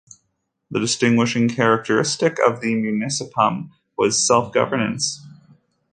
The distinguishing characteristic of the "municipium" was self-governance.